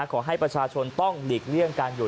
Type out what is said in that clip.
ขอให้ประชาชนต้องหลีกเลี่ยงการอยู่